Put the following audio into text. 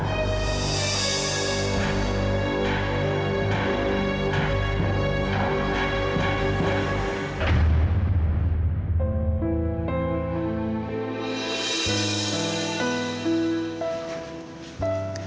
pak kita harus berhenti